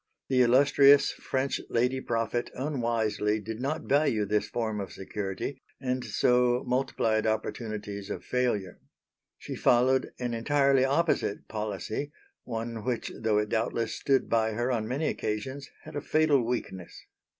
The illustrious French lady prophet unwisely did not value this form of security, and so multiplied opportunities of failure. She followed an entirely opposite policy, one which though it doubtless stood by her on many occasions had a fatal weakness.